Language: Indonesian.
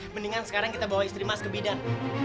mendingan sekarang kita bawa istri mas ke bidan